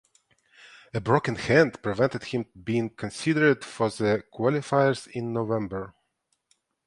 A broken hand prevented him being considered for the qualifiers in November.